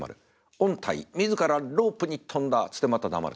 「御大自らロープに跳んだ」っつってまた黙る。